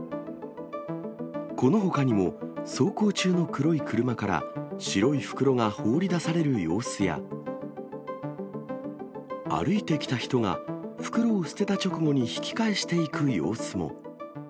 このほかにも、走行中の黒い車から白い袋が放り出される様子や、歩いてきた人が、袋を捨てた直後に引き返していく様子も。